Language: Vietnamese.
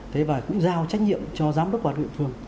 thế và cũng giao trách nhiệm cho giám đốc quản viện phương